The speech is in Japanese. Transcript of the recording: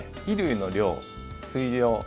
衣類の量水量